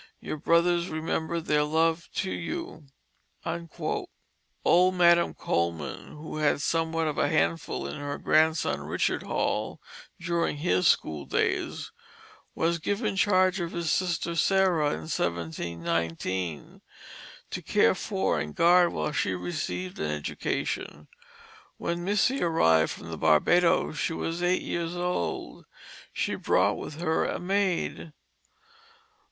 Your brothers remember their love to you." Old Madam Coleman, who had somewhat of a handful in her grandson, Richard Hall, during his school days, was given charge of his sister Sarah, in 1719, to care for and guard while she received an education. When Missy arrived from the Barbadoes she was eight years old. She brought with her a maid.